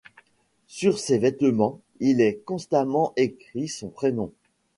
Sur ses vêtements, il est constamment écrit son prénom.